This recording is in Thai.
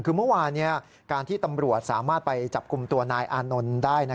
คือเมื่อวานการที่ตำรวจสามารถไปจับกลุ่มตัวนายอานนท์ได้